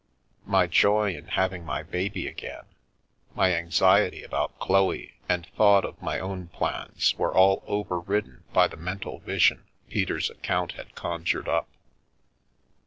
My joy in having my baby again, my anxiety about Chloe and thought of my own plans were all over ridden by the mental vision Peter's account had conjured up.